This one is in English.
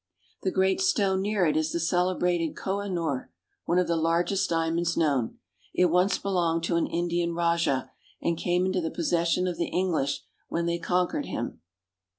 The great stone near it is the celebrated Koh i noor, one of the largest diamonds known. It once belonged to an Indian rajah, and came into the possession of the English when they conquered him.